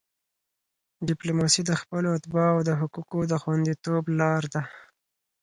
ډیپلوماسي د خپلو اتباعو د حقوقو د خوندیتوب لار ده.